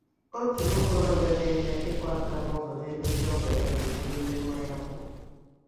Otu nwa okorobịa na-eme ikụaka-na-ụzọ na ebe ndi ọgọ ga eburiri mmanya nkwụ.